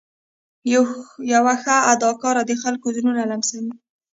یو ښه اداکار د خلکو زړونه لمسوي.